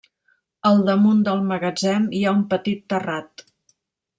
Al damunt del magatzem hi ha un petit terrat.